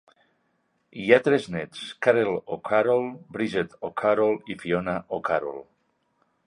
Hi ha tres nets: Kathleen O'Carroll, Bridget O'Carroll i Fiona O'Carroll.